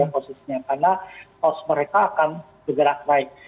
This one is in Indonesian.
karena cost mereka akan bergerak naik